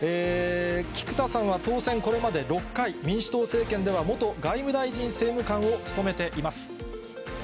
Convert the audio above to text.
菊田さんは当選、これまで６回、民主党政権では元外務大臣政務官を務めています。